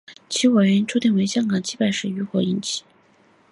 起火原因初判为香客祭拜后余火引起。